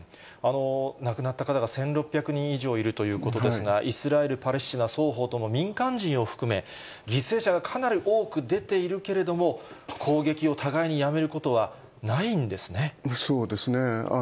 亡くなった方が１６００人以上いるということですが、イスラエル、パレスチナ双方とも民間人を含め、犠牲者がかなり多く出ているけれども、攻撃を互いにやめることはそうですね。